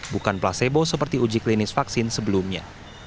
bukan placebo seperti uji klinis vaksin sebelumnya